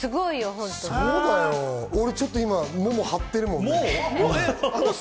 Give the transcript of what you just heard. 俺ちょっともも張ってるもんね。